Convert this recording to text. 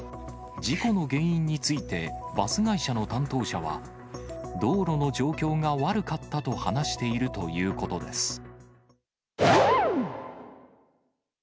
事故の原因について、バス会社の担当者は、道路の状況が悪かったと話しているということです。